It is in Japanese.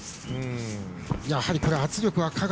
やはり圧力は香川。